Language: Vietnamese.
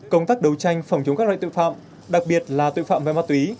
công tác đấu tranh phòng chống các loại tự phạm đặc biệt là tự phạm ma túy